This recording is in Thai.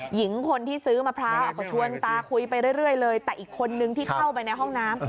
หญิงคนที่ซื้อมะพร้าวก็ชวนตาคุยไปเรื่อยเลยแต่อีกคนนึงที่เข้าไปในห้องน้ำ